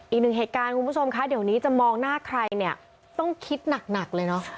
อีกหนึ่งเหตุการณ์คุณผู้ชมคะเดี๋ยวนี้จะมองหน้าใครเนี่ยต้องคิดหนักเลยเนอะ